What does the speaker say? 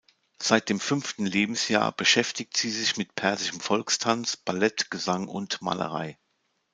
Seit dem fünften Lebensjahr beschäftigt sie sich mit persischem Volkstanz, Ballett, Gesang und Malerei.